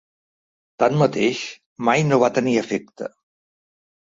Tanmateix, mai no va tenir efecte.